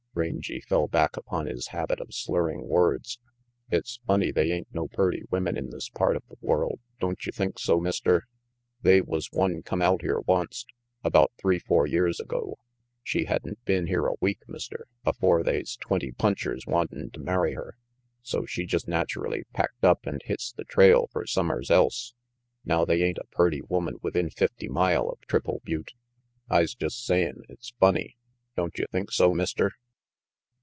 Rangy fell back upon his habit of slurring words. "It's funny they ain't no purty women in this part of the world, don't you think so, Mister? They was one come out here onct, about three four years ago. She hadn't been here a week, Mister, afore they's twenty punchers wantin' to marry her. So she just naturally packed up and hits the trail fer summers else. Now they ain't a purty woman within fifty mile of Triple Butte. I's just sayin' it's funny, don't you think so, Mister?"